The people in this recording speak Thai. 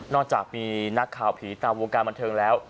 จากมีนักข่าวผีตามวงการบันเทิงแล้ว